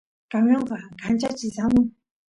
camionqa kanchachis amun